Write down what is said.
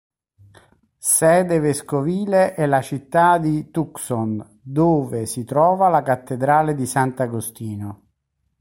Sede vescovile è la città di Tucson, dove si trova la cattedrale di Sant'Agostino.